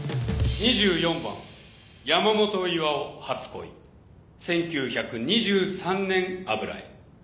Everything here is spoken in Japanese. ２４番山本巌『はつ恋』１９２３年油絵。